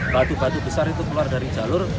batu batu besar itu keluar dari jalur